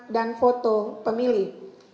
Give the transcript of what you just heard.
dan foto pemilih